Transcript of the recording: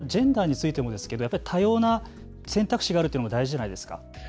ジェンダーについてもですが多様な選択肢があるというのは大事じゃないですか。